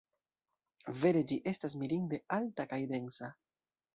Vere, ĝi estas mirinde alta kaj densa.